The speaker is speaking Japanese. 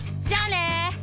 じゃあね！